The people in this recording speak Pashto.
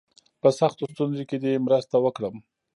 په سختو ستونزو کې دي مرسته وکړم.